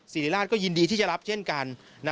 ศิริราชก็ยินดีที่จะรับเช่นกัน